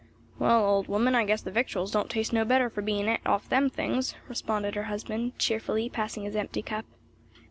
"Well, old woman, I guess the victuals don't taste no better for bein' eat off them things," responded her husband, cheerfully, passing his empty cup.